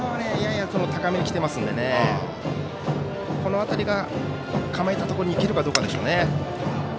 やや高めにきてますのでこの辺りが構えたところにいけるかどうかですね。